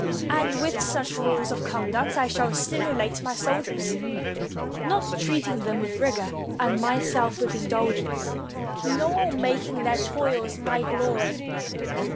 And with such rules of conduct I shall stimulate my soldiers, not treating them with rigor and myself with indulgence, nor making their toils my glory.